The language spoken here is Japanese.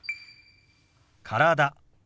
「体」。